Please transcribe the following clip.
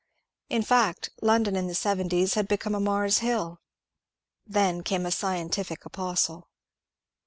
In fact, London in the seventies had become a Mars HilL Then came a scien tific apostle.